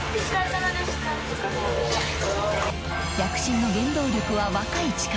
躍進の原動力は、若い力。